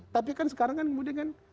tapi kan sekarang kan kemudian kan